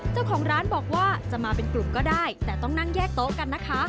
เจ้าของร้านบอกว่าจะมาเป็นกลุ่มก็ได้แต่ต้องนั่งแยกโต๊ะกันนะคะ